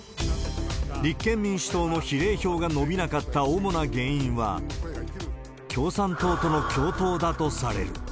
立憲民主党の比例票が伸びなかった主な原因は、共産党との共闘だとされる。